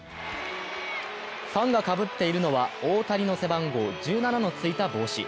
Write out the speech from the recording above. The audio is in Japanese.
ファンがかぶっているのは大谷の背番号１７のついた帽子。